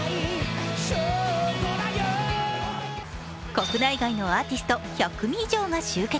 国内外のアーティスト１００組以上が集結。